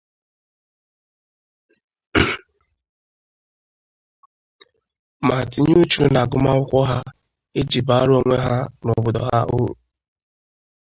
ma tinye uchu n'agụmakwụkwọ ha iji baara onwe ha na obodo ha uru